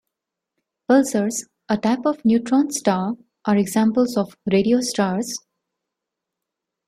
Pulsars, a type of neutron star, are examples of radio stars.